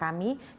kami akan jemput